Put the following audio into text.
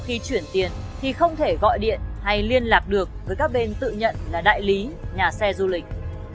khi chuyển tiền thì không thể gọi điện hay liên lạc được với các bên tự nhận là đại lý nhà xe du lịch